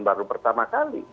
baru pertama kali